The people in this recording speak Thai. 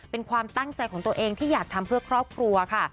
เป็นความตั้งใจของตัวเองที่อยากทำเพื่อครอบครัวค่ะ